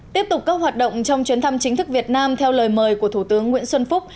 tiếp tục các hoạt động trong chuyến thăm chính thức việt nam theo lời mời của thủ tướng nguyễn xuân phúc